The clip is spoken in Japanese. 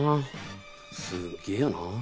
すげぇよな。